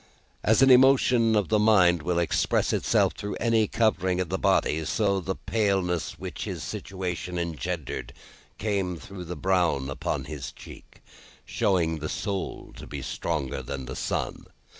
As an emotion of the mind will express itself through any covering of the body, so the paleness which his situation engendered came through the brown upon his cheek, showing the soul to be stronger than the sun.